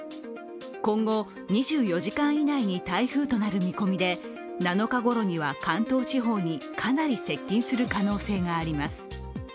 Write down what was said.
今後２４時間以内に台風となる見込みで７日ごろには関東地方にかなり接近する可能性があります。